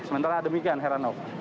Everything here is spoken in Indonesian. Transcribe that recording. sementara demikian heranov